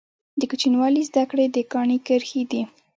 د کوچنیوالي زده کړي د کاڼي کرښي دي.